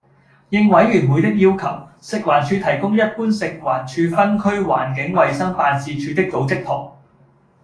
應委員會的要求，食環署提供一般食環署分區環境衞生辦事處的組織圖